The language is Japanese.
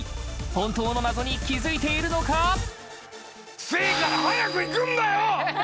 本当の謎に気付いているのかクセエから早くいくんだよ！